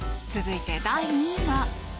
続いて、第２位は。